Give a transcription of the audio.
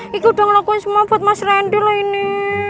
kiki udah ngelakuin semua buat mas randy loh ini